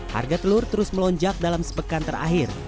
harga telur terus melonjak dalam sepekan terakhir